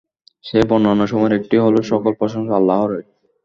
সে বর্ণনাসমূহের একটি হলো, সকল প্রশংসা আল্লাহরই।